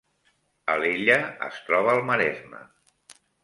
Alella es troba al Maresme